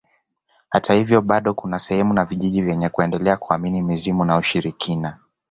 Hata hivyo bado kuna sehemu au vijiji vyenye kuendelea kuamini mizimu na ushirikina